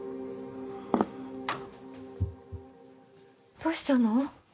どうしたの？